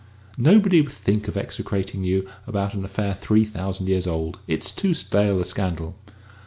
"Nobody would think of execrating you about an affair three thousand years old. It's too stale a scandal."